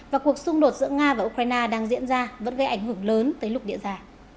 và cuộc xung đột giữa nga và ukraine đang diễn ra vẫn gây ảnh hưởng lớn tới lục địa giả